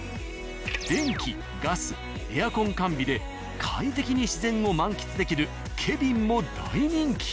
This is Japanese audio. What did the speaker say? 電気・ガス・エアコン完備で快適に自然を満喫できるケビンも大人気。